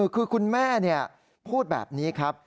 คือคุณแม่พูดแบบนี้ครับ